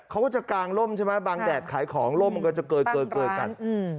เขาก็จะกางล่มใช่ไหมบางแดดขายของล่มมันก็จะเกินเกินเกินกันอืม